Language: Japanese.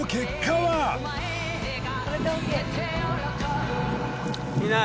はい。